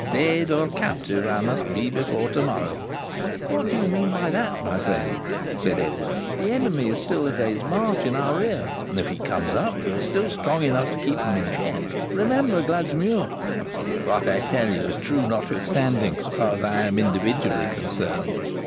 Dead or captive I must be before tomorrow.' 'What do you mean by that, my friend?' said Edward. 'The enemy is still a day's march in our rear, and if he comes up, we are still strong enough to keep him in check. Remember Gladsmuir.' 'What I tell you is true notwithstanding, so far as I am individually concerned.'